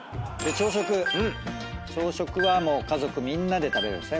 朝食はもう家族みんなで食べるんですね。